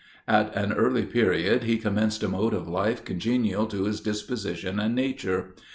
At an early period he commenced a mode of life congenial to his disposition and nature.